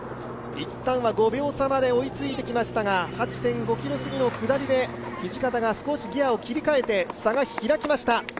いったんは５秒差まで追いついてきましたが、８．５ｋｍで土方が少しギヤを切り替えて差が開きました。